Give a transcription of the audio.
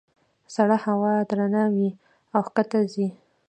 سړه هوا درنه وي او ښکته ځي.